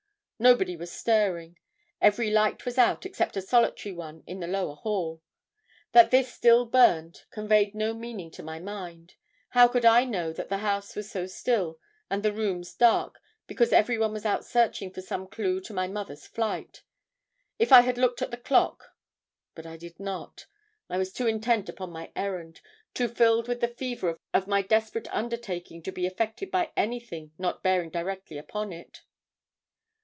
Nobody was stirring; every light was out except a solitary one in the lower hall. That this still burned conveyed no meaning to my mind. How could I know that the house was so still and the rooms dark because everyone was out searching for some clue to my mother's flight? If I had looked at the clock but I did not; I was too intent upon my errand, too filled with the fever of my desperate undertaking, to be affected by anything not bearing directly upon it.